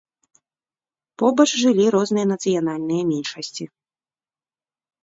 Побач жылі розныя нацыянальныя меншасці.